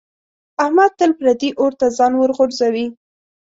احمد تل پردي اور ته ځان ورغورځوي.